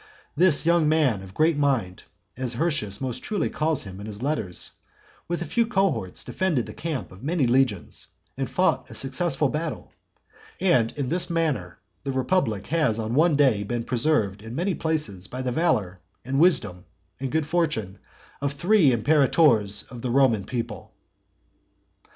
This young man of great mind, as Hirtius most truly calls him in his letters, with a few cohorts defended the camp of many legions, and fought a successful battle. And in this manner the republic has on one day been preserved in many places by the valour, and wisdom, and good fortune of three imperators of the Roman people. XI.